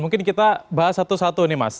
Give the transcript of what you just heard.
mungkin kita bahas satu satu nih mas